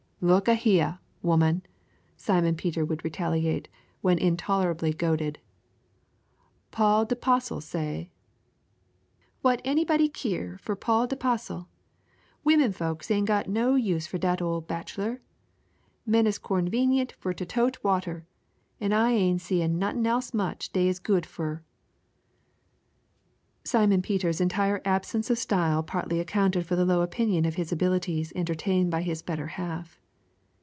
"Look a heah, 'oman," Simon Peter would retaliate, when intolerably goaded, "Paul de 'postle say " "What anybody keer fur Paul de 'postle? Womenfolks ain' got no use fur dat ole bachelor. Men is cornvenient fur ter tote water, an' I ain' seen nuttin' else much dey is good fur." Simon Peter's entire absence of style partly accounted for the low opinion of his abilities entertained by his better half.